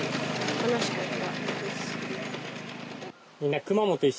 楽しかった。